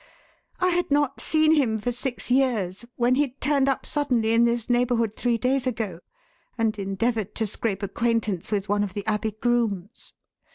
I had not seen him for six years, when he turned up suddenly in this neighbourhood three days ago and endeavoured to scrape acquaintance with one of the Abbey grooms."